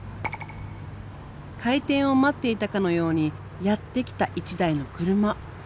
開店を待っていたかのようにやって来た１台の車。